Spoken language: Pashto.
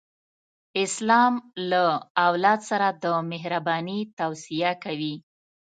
اسلام له اولاد سره د مهرباني توصیه کوي.